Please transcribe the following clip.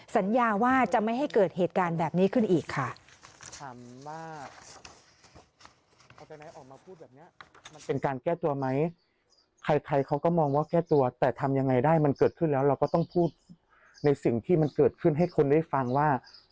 สัญญาว่าจะไม่ให้เกิดเหตุการณ์แบบนี้ขึ้นอีกค่ะ